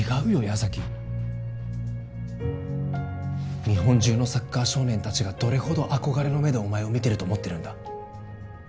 矢崎日本中のサッカー少年達がどれほど憧れの目でお前を見てると思ってるんだ